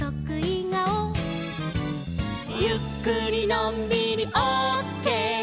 「ゆっくりのんびりオッケー」